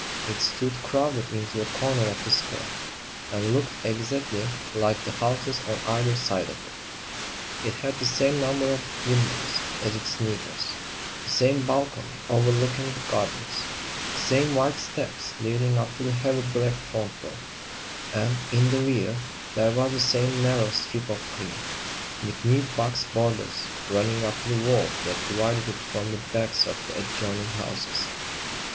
It stood, crowded into a corner of the square, and looked exactly like the houses on either side of it. It had the same number of windows as its neighbours; the same balcony overlooking the gardens; the same white steps leading up to the heavy black front door; and, in the rear, there was the same narrow strip of green, with neat box borders, running up to the wall that divided it from the backs of the adjoining houses.